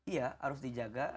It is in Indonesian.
iya harus dijaga